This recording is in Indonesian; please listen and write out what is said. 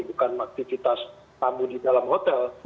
bukan aktivitas tamu di dalam hotel